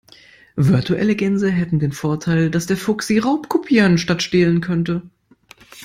Virtuelle Gänse hätten den Vorteil, dass der Fuchs sie raubkopieren statt stehlen könnte.